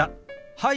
はい。